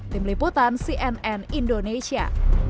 terima kasih sudah menonton indonesia